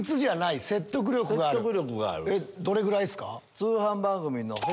どれぐらいですか？